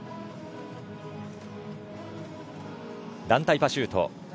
団体パシュート。